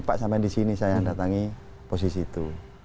pak sampai di sini saya datangi posisi itu